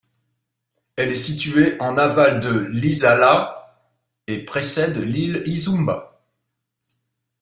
Elle est située en aval de Lisala, et précède l’île Esumba.